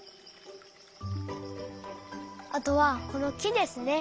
あとはこのきですね。